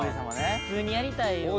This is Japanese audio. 「普通にやりたいよ」